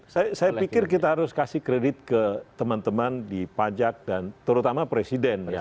saya pikir kita harus kasih kredit ke teman teman di pajak dan terutama presiden